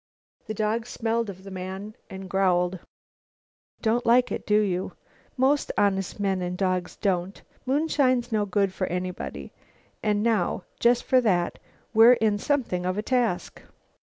The dog smelled of the man and growled. "Don't like it, do you? Most honest men and dogs don't. Moonshine's no good for anybody. And now, just for that, we're in for something of a task.